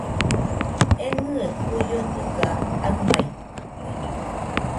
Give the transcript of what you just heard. Enɨe kuio dɨga aɨmaitɨkue.